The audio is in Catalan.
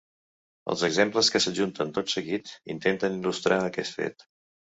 Els exemples que s'adjunten tot seguit intenten il·lustrar aquest fet.